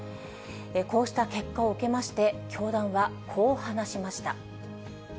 こうした結果を受けまして、教団はこう話しました。